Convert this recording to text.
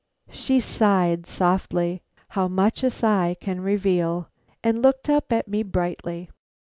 She sighed softly how much a sigh can reveal! and looked up at me brightly.